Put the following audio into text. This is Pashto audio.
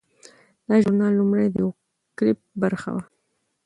دا ژورنال لومړی د یو کلپ برخه وه.